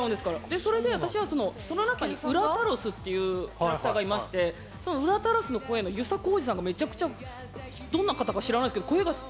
でそれで私はその中にウラタロスっていうキャラクターがいましてウラタロスの声の遊佐浩二さんがめちゃくちゃどんな方か知らないですけど声がすごくかっこよくて。